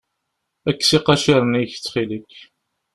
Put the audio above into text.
Kkes iqaciren-ik, ttxil-k.